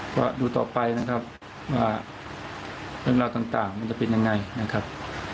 ก็ดูต่อไปนะครับว่าเรื่องราวต่างมันจะเป็นยังไงนะครับ